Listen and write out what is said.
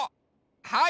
はい！